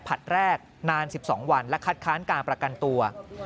ผลัดแรกนาน๑๒วันและคัดค้านการประกันตัว